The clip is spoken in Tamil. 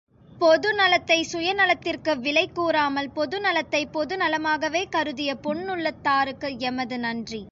பொது நலத்தை சுயநலத்திற்கு விலை கூறாமல் பொது நலத்தை பொது நலமாகவே கருதிய பொன்னுள்ளத்தாருக்கு எமது நன்றி.